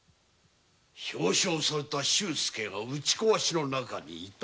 表彰された周介が打ち壊しの中にいたと。